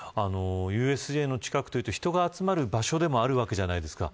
ＵＳＪの近くというと人が集まる場所でもあるじゃないですか。